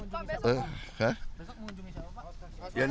besok mau kunjungi sama pak